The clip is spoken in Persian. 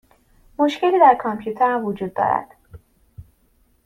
مشکلی در کامپیوترم وجود دارد.